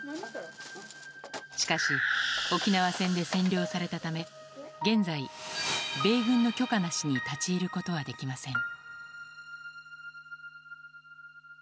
しかし、沖縄戦で占領されたため現在米軍の許可なしに立ち入ることはできません。